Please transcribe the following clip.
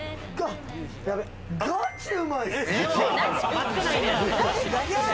ガチうまいっす。